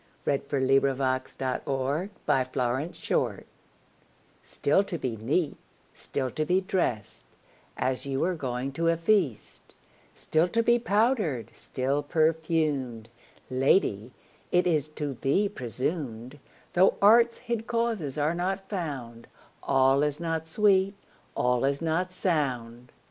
1573–1637 186. Simplex Munditiis STILL to be neat, still to be drest, As you were going to a feast; Still to be powder'd, still perfumed: Lady, it is to be presumed, Though art's hid causes are not found, 5 All is not sweet, all is not sound.